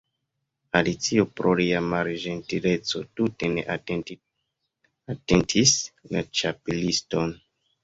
Alicio pro lia malĝentileco tute ne atentis la Ĉapeliston.